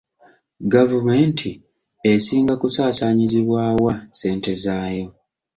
Gavumenti esinga kusaasaanyizibwa wa ssente zaayo?